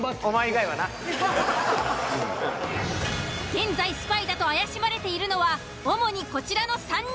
現在スパイだと怪しまれているのは主にこちらの３人。